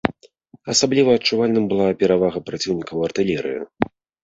Асабліва адчувальным была перавага праціўніка ў артылерыі.